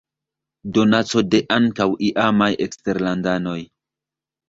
Donaco de ankaŭ iamaj eksterlandanoj.